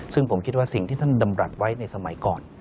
ซึ่งผมคิดว่าสิ่งที่ท่านดำรัฐไว้ในสมัยก่อน